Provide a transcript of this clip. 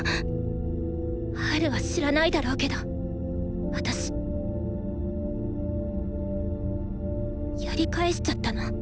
ハルは知らないだろうけど私やり返しちゃったの。